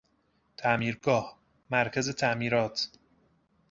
تعمیرگاه، مرکز تعمیرات